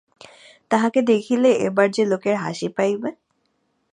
তাহাকে দেখিলে এবার যে লোকের হাসি পাইবে?